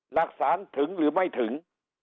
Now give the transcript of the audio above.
หลักฐานถึงหรือไม่ถึง